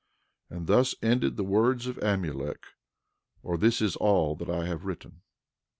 And thus ended the words of Amulek, or this is all that I have written.